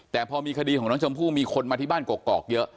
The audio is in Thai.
แต่พอมีคดีของน้องชมพู่มีคนมาที่บ้านกอกเยอะ